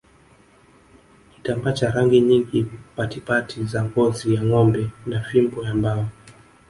Kitambaa cha rangi nyingi patipati za ngozi ya ngombe na fimbo ya mbao